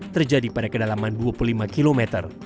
terjadi pada kedalaman dua puluh lima km